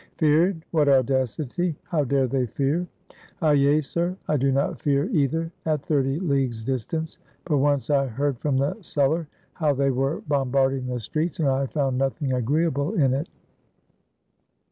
"Feared! what audacity! — how dare they fear?" '^Hyay! sir, I do not fear either at thirty leagues' dis tance ; but once I heard from the cellar how they were bombarding the streets, and I found nothing agreeable in it."